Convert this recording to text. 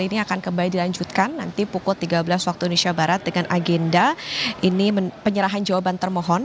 ini akan kembali dilanjutkan nanti pukul tiga belas waktu indonesia barat dengan agenda ini penyerahan jawaban termohon